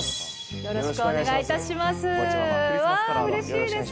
よろしくお願いします。